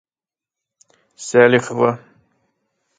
Сәлихова.